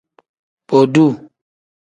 Bodu.